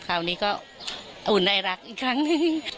คราวนี้ก็อุ่นไอรักอีกครั้งหนึ่ง